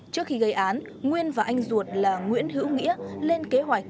trước khi gây án nguyên và anh ruột là nguyễn hữu nghĩa lên kế hoạch